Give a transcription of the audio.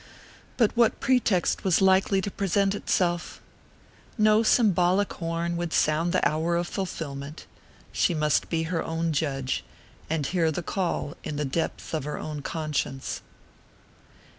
But what pretext was likely to present itself? No symbolic horn would sound the hour of fulfillment; she must be her own judge, and hear the call in the depths of her own conscience.